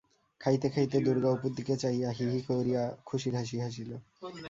খাইতে খাইতে দুর্গা অপুর দিকে চাহিয়া হি হি করিয়া খুশির হাসি হাসিল।